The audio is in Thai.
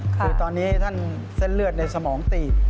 ค่ะตอนนี้บาปฮิลล์ท่านเส้นเลือดในสมองตีด